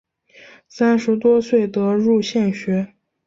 三十多岁得入县学。